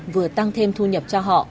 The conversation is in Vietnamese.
vừa tăng thêm thu nhập cho họ